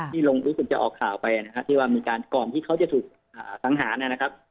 ลงรู้สึกจะออกข่าวไปนะครับที่ว่ามีการก่อนที่เขาจะถูกสังหารนะครับ